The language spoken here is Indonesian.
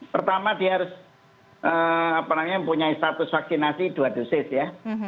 pertama dia harus apa namanya punya status vaksinasi dua dosis ya